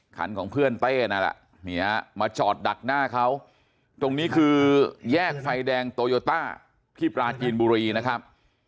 ของเพื่อนเต้นั่นแหละมาจอดดักหน้าเขาตรงนี้คือแยกไฟแดงโตโยต้าที่ปราจีนบุรีนะครับ